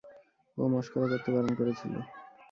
ও মশকরা করতে বারণ করেছিল।